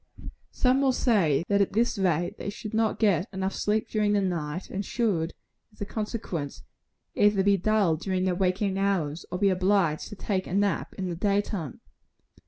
Some will say, that at this rate they should not get sleep enough during the night; and should, as a consequence, either be dull during their waking hours, or be obliged to take a nap in the day time.